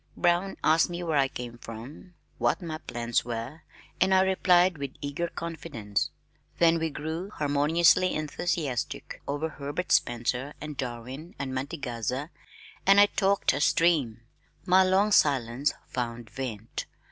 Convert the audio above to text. Brown asked me where I came from, what my plans were, and I replied with eager confidence. Then we grew harmoniously enthusiastic over Herbert Spencer and Darwin and Mantegazza and I talked a stream. My long silence found vent.